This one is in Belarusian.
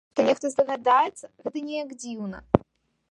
Чакаць, што нехта здагадаецца, гэта неяк дзіўна.